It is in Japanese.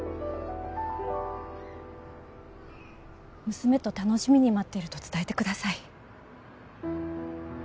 娘と楽しみに待ってると伝えてください。